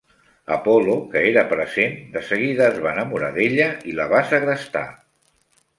Apollo, que era present, de seguida es va enamorar d'ella i la va segrestar.